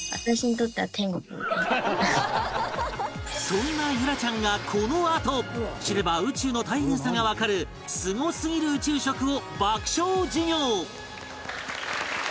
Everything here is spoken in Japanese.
そんな結桜ちゃんがこのあと知れば宇宙の大変さがわかるすごすぎる宇宙食を爆笑授業！